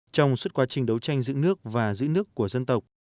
trong suốt quá trình đấu tranh giữ nước và giữ nước của dân tộc